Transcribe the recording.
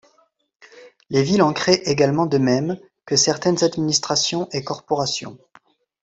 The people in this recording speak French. Les villes en créent également de même que certaines administrations et corporations.